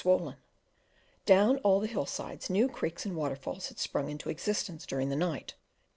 swollen. Down all the hill sides new creeks and waterfalls had sprung into existence during the night.